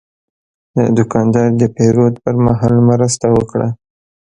دا دوکاندار د پیرود پر مهال مرسته وکړه.